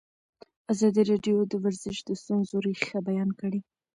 ازادي راډیو د ورزش د ستونزو رېښه بیان کړې.